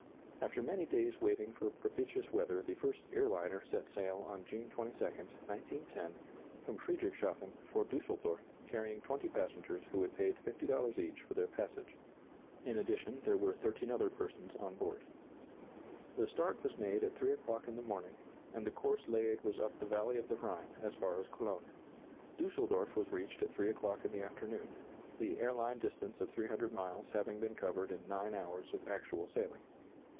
After many days waiting for propitious weather the first "air liner" set sail on June 22, 1910, from Friedrichshafen for Düsseldorf, carrying 20 passengers who had paid $50 each for their passage. In addition there were 13 other persons on board. The start was made at three o'clock in the morning, and the course laid was up the valley of the Rhine, as far as Cologne. Düsseldorf was reached at three o'clock in the afternoon, the airline distance of 300 miles having been covered in 9 hours of actual sailing.